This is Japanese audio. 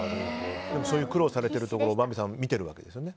そういう苦労をされているところをヴァンビさんは見てるわけですよね。